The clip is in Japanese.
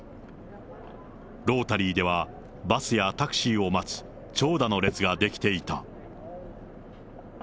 ロータリーでは、バスやタクシーを待つ長蛇の列が出来ていた。